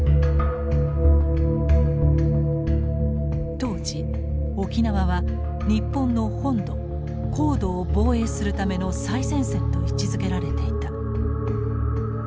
当時沖縄は日本の本土皇土を防衛するための最前線と位置づけられていた。